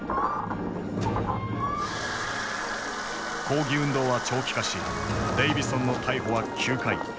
抗議運動は長期化しデイヴィソンの逮捕は９回。